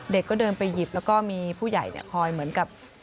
เด็กก็เดินไปหยิบแล้วก็มีผู้ใหญ่คอยเหมือนกับ